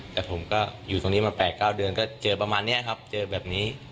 แต่ผมก็อยู่ตรงนี้มา๘๙เดือนเห็นแบบนี้ครับ